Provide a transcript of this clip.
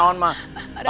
ada pak rete